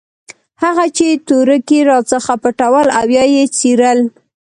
هغه چې تورکي راڅخه پټول او يا يې څيرل.